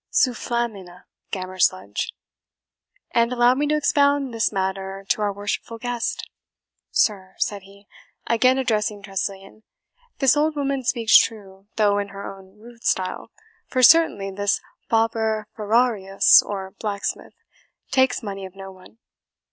SUFFLAMINA, Gammer Sludge, and allow me to expound this matter to our worshipful guest. Sir," said he, again addressing Tressilian, "this old woman speaks true, though in her own rude style; for certainly this FABER FERRARIUS, or blacksmith, takes money of no one."